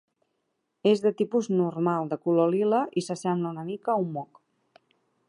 És de tipus normal, de color lila i s'assembla una mica a un moc.